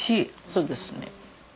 そうですね。